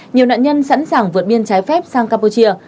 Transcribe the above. nhiều nạn nhân sẵn sàng vượt biên trái phép sang campuchia